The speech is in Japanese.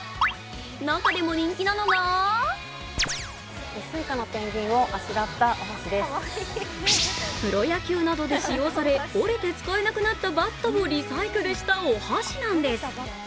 中でも人気なのがプロ野球などで使用され折れて使えなくなったバットをリサイクルしたお箸なんです。